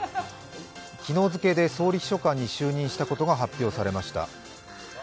昨日付で、総理秘書官に就任したことが発表されました。